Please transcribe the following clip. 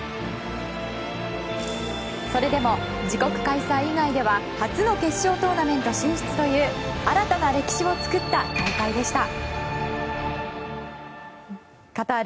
それでも自国開催以外では初の決勝トーナメント進出という新たな歴史を作った大会でした。